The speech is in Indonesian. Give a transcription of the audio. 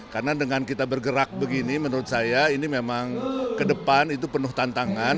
karena dengan kita bergerak begini menurut saya ini memang ke depan itu penuh tantangan